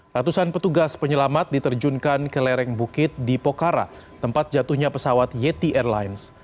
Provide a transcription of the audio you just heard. ratusan petugas penyelamat diterjunkan ke lereng bukit di pokhara tempat jatuhnya pesawat yeti airlines